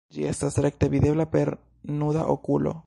Ĝi estas rekte videbla per nuda okulo.